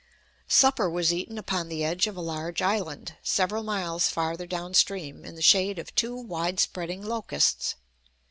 Supper was eaten upon the edge of a large island, several miles farther down stream, in the shade of two wide spreading locusts.